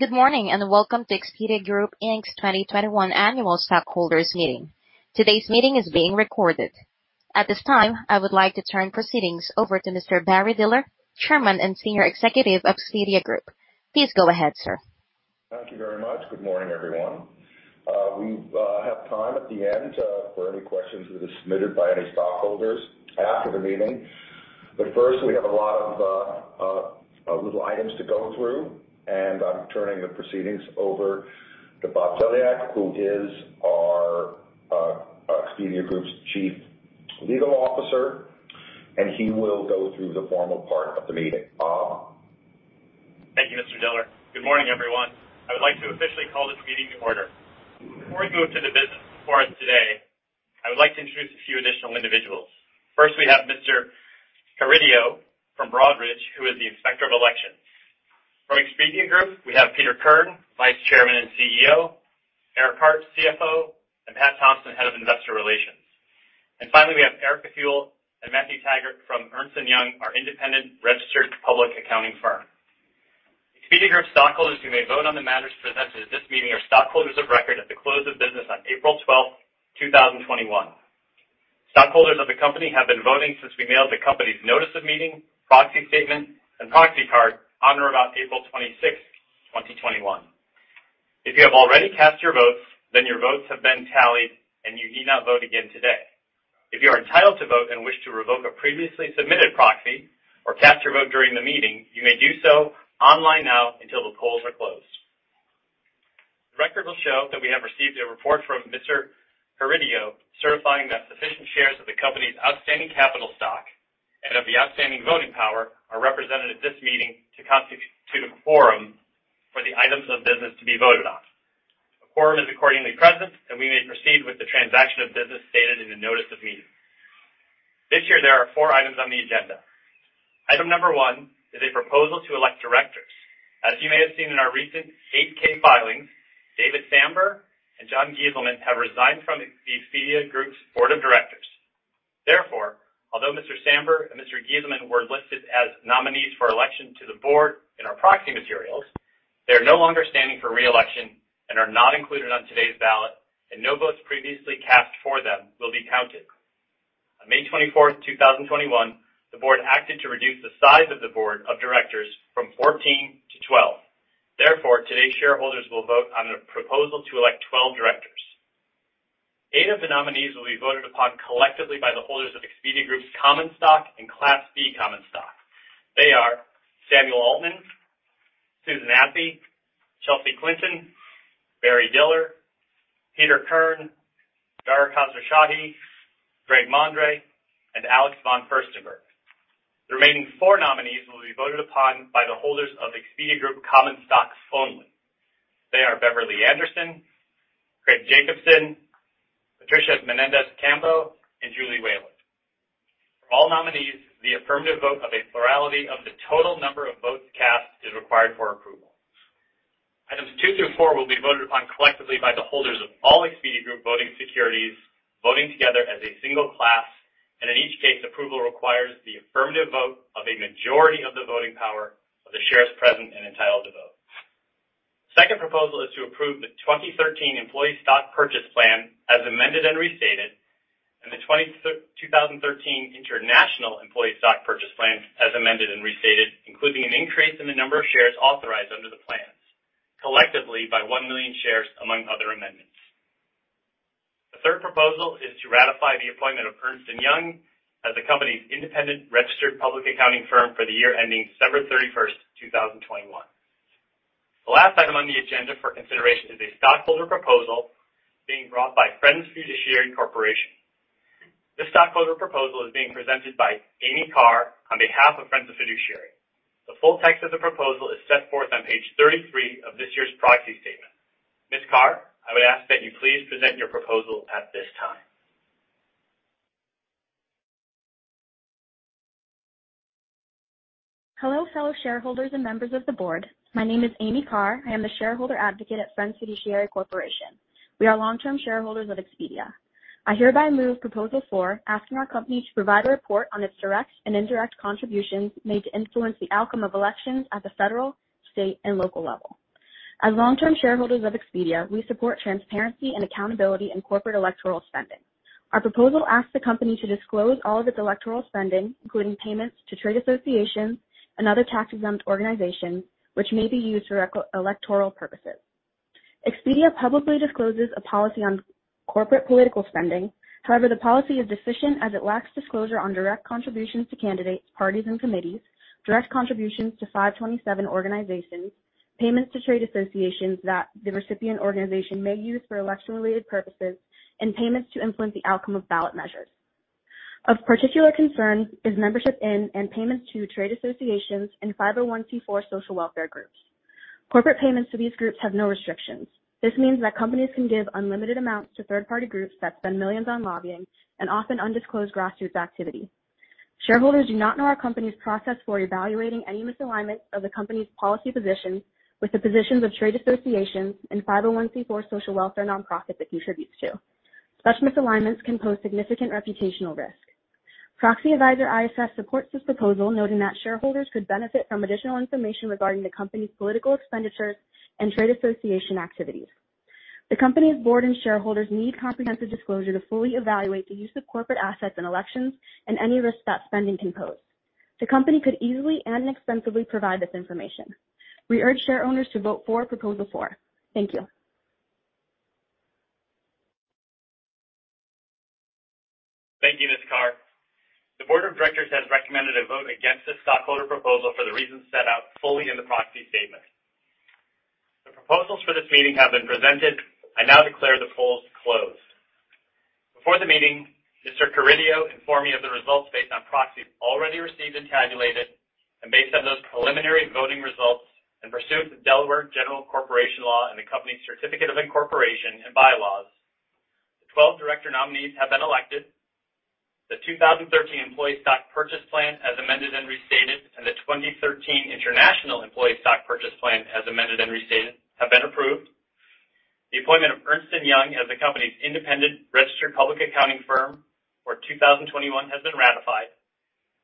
Good morning. Welcome to Expedia Group Inc. 2021 Annual Stockholders Meeting. Today's meeting is being recorded. At this time, I would like to turn proceedings over to Mr. Barry Diller, Chairman and Senior Executive of Expedia Group. Please go ahead, sir. Thank you very much. Good morning, everyone. We have time at the end for any questions that are submitted by any stockholders after the meeting. First, we have a lot of items to go through, and I'm turning the proceedings over to Robert Dzielak, who is our Expedia Group's Chief Legal Officer, and he will go through the formal part of the meeting. Bob? Thank you, Mr. Diller. Good morning, everyone. I would like to officially call this meeting to order. Before we move into the business before us today, I would like to introduce a few additional individuals. First, we have Mr. Carrillo from Broadridge, who is the Inspector of Elections. From Expedia Group, we have Peter Kern, Vice Chairman and CEO, Eric Hart, CFO, and Pat Thompson, Head of Investor Relations. Finally, we have Eric Thiele and Matthew Taggart from Ernst & Young, our independent registered public accounting firm. Expedia Group stockholders who may vote on the matters presented at this meeting are stockholders of record at the close of business on April 12th, 2021. Stockholders of the company have been voting since we mailed the company's notice of meeting, proxy statement, and proxy card on or about April 26th, 2021. If you have already cast your votes, then your votes have been tallied, and you need not vote again today. If you are entitled to vote and wish to revoke a previously submitted proxy or cast your vote during the meeting, you may do so online now until the polls are closed. The record will show that we have received a report from Mr. Carrillo certifying that sufficient shares of the company's outstanding capital stock and of the outstanding voting power are represented at this meeting to constitute a quorum for the items of business to be voted on. A quorum is accordingly present, and we may proceed with the transaction of business stated in the notice of meeting. This year, there are four items on the agenda. Item number one is a proposal to elect directors. As you may have seen in our recent 8-K filings, David Sambur and Jon Gieselman have resigned from Expedia Group's board of directors. Although Mr. Sambur and Mr. Gieselman were listed as nominees for election to the board in our proxy materials, they are no longer standing for re-election and are not included on today's ballot, and no votes previously cast for them will be counted. On May 24, 2021, the board acted to reduce the size of the board of directors from 14 to 12. Today's shareholders will vote on a proposal to elect 12 directors. Eight of the nominees will be voted upon collectively by the holders of Expedia Group's common stock and Class B common stock. They are Samuel Altman, Susan Athey, Chelsea Clinton, Barry Diller, Peter Kern, Dara Khosrowshahi, Greg Mondre, and Alex von Furstenberg. The remaining four nominees will be voted upon by the holders of Expedia Group common stock only. They are Beverly Anderson, Craig Jacobson, Patricia Menendez-Cambo, and Julie Whalen. For all nominees, the affirmative vote of a plurality of the total number of votes cast is required for approval. Items two through four will be voted upon collectively by the holders of all Expedia Group voting securities, voting together as a single class. In each case, approval requires the affirmative vote of a majority of the voting power of the shares present and entitled to vote. The second proposal is to approve the 2013 Employee Stock Purchase Plan as amended and restated, and the 2013 International Employee Stock Purchase Plan as amended and restated, including an increase in the number of shares authorized under the plans, collectively by 1 million shares, among other amendments. The third proposal is to ratify the appointment of Ernst & Young as the company's independent registered public accounting firm for the year ending December 31st, 2021. The last item on the agenda for consideration is a stockholder proposal being brought by Friends Fiduciary Corporation. This stockholder proposal is being presented by Amy Carr on behalf of Friends Fiduciary. The full text of the proposal is set forth on page 33 of this year's proxy statement. Ms. Carr, I would ask that you please present your proposal at this time. Hello, fellow shareholders and members of the board. My name is Amy Carr. I am a shareholder advocate at Friends Fiduciary Corporation. We are long-term shareholders of Expedia. I hereby move Proposal four, asking our company to provide a report on its direct and indirect contributions made to influence the outcome of elections at the federal, state, and local level. As long-term shareholders of Expedia, we support transparency and accountability in corporate electoral spending. Our proposal asks the company to disclose all of its electoral spending, including payments to trade associations and other tax-exempt organizations, which may be used for electoral purposes. Expedia publicly discloses a policy on corporate political spending. However, the policy is deficient as it lacks disclosure on direct contributions to candidates, parties, and committees, direct contributions to 527 organizations, payments to trade associations that the recipient organization may use for election-related purposes, and payments to influence the outcome of ballot measures. Of particular concern is membership in and payments to trade associations and 501(c)(4) social welfare groups. Corporate payments to these groups have no restrictions. This means that companies can give unlimited amounts to third-party groups that spend millions on lobbying and often undisclosed grassroots activity. Shareholders do not know our company's process for evaluating any misalignment of the company's policy positions with the positions of trade associations and 501(c)(4) social welfare nonprofits it contributes to. Such misalignments can pose significant reputational risk. Proxy adviser ISS supports this proposal, noting that shareholders could benefit from additional information regarding the company's political expenditures and trade association activities. The company's board and shareholders need comprehensive disclosure to fully evaluate the use of corporate assets in elections and any risk that spending can pose. The company could easily and inexpensively provide this information. We urge shareholders to vote for Proposal four. Thank you. Thank you, Ms. Carr. The board of directors has recommended a vote against this stockholder proposal for the reasons set out fully in the proxy statement. The proposals for this meeting have been presented. I now declare the polls closed. Before the meeting, Mr. Carrillo informed me of the results based on proxies already received and tabulated, and based on those preliminary voting results, in pursuit of the Delaware General Corporation Law and the company's certificate of incorporation and bylaws, the 12 director nominees have been elected. The 2013 Employee Stock Purchase Plan as amended and restated, and the 2013 International Employee Stock Purchase Plan as amended and restated, have been approved. The appointment of Ernst & Young as the company's independent registered public accounting firm for 2021 has been ratified.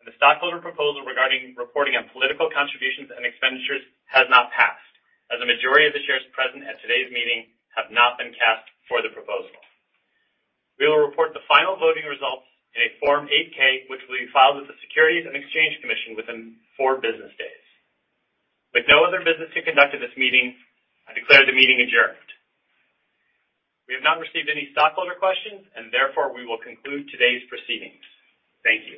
The stockholder proposal regarding reporting on political contributions and expenditures has not passed, as a majority of the shares present at today's meeting have not been cast for the proposal. We will report the final voting results in a Form 8-K, which will be filed with the Securities and Exchange Commission within four business days. With no other business to conduct at this meeting, I declare the meeting adjourned. We have not received any stockholder questions, therefore, we will conclude today's proceedings. Thank you